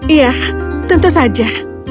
iya tentu saja